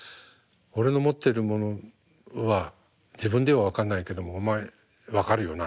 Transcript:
「俺の持ってるものは自分では分かんないけどもお前分かるよな？」。